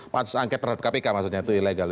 pansus angket terhadap kpk maksudnya itu ilegal